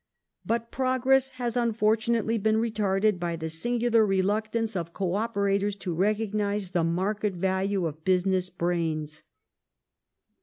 But progress has unfortunately been retarded by the singular reluctance of Co operatoi s to recognize the market value of business brains.